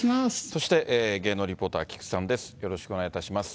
そして、芸能リポーター、菊池さんです。